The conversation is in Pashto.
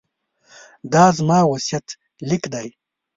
دا زما وصیت لیک دی.